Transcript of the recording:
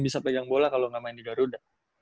bisa pegang bola kalau nggak main di garuda